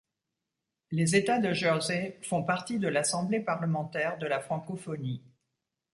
Les États de Jersey font partie de l'Assemblée parlementaire de la Francophonie.